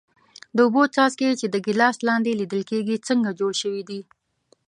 د اوبو څاڅکي چې د ګیلاس لاندې لیدل کیږي څنګه جوړ شوي دي؟